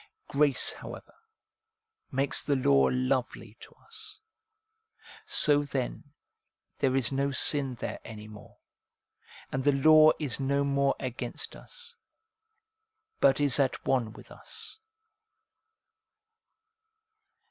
Grace, however, makes the law lovely to us ; so then there is no sin there any more, and the law is no more against us, but is at one with us.